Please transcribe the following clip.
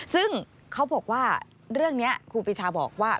ซึ่งเขาบอกว่าเรื่องนี้ครูปีชาบอกว่า